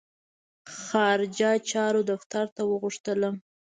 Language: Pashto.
خارجه چارو دفتر ته وغوښتلم.